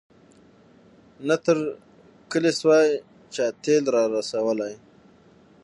نه تر کلي سوای چا تېل را رسولای